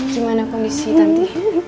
gimana kondisi tanti